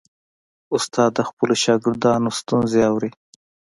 استاد د خپلو شاګردانو ستونزې اوري.